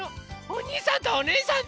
おにいさんおねえさん！